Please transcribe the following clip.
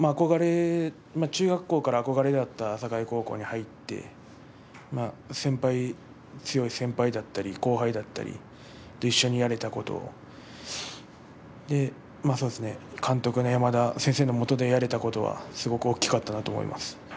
中学校から憧れだった栄高校に入って強い先輩だったり後輩だったり一緒にやれたこと監督の山田先生の下でやれたことはすごく大きかったなと思います。